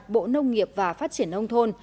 bộ nông nghiệp và phát triển nông thôn